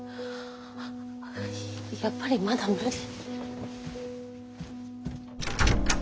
やっぱりまだ無理。